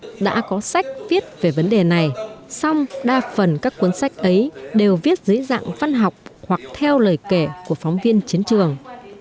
tại buổi giao lưu với độc giả thiếu tác viết về vấn đề này xong đa phần các cuốn sách ấy đều viết dưới dạng văn học hoặc theo lời kể của phóng viên chiến trường